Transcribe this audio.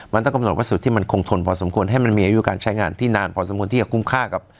มันต้องกำหนดวัสดุที่มันคงทนพอสมควรให้มันมีอายุการใช้งานที่นานพอสมควรที่จะคุ้มค่ากับ